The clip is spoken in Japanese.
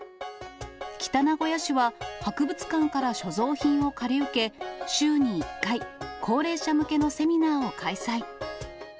北名古屋市は、博物館から所蔵品を借り受け、週に１回、高齢者向けのセミナーを開催。